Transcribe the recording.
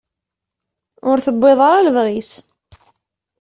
Ur tewwiḍ ara lebɣi-s.